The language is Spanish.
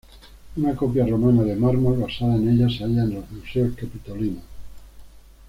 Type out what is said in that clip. Una copia romana de mármol basada en ella se halla en los Museos Capitolinos.